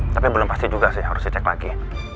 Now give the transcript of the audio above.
tapi belum pasti juga sih harus dicek lagi